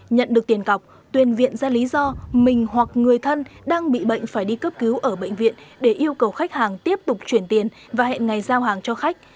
nhận được tiền cọc tuyên viện ra lý do mình hoặc người thân đang bị bệnh phải đi cấp cứu ở bệnh viện để yêu cầu khách hàng tiếp tục chuyển tiền và hẹn ngày giao hàng cho khách